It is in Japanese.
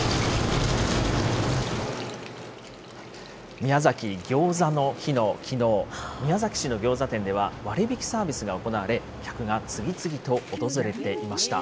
宮崎ぎょうざの日のきのう、宮崎市のギョーザ店では、割引サービスが行われ、客が次々と訪れていました。